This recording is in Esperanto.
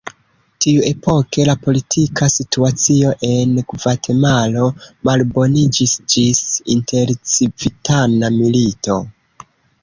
Tiuepoke la politika situacio en Gvatemalo malboniĝis ĝis intercivitana milito.